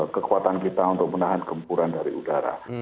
kekuatan kita untuk menahan kempuran dari udara